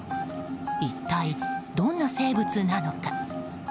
一体どんな生物なのか。